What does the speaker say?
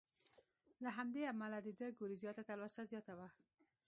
له همدې امله د ده ګورېزیا ته تلوسه زیاته وه.